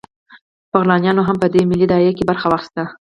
بغلانیانو هم په دې ملي داعیه کې برخه واخیسته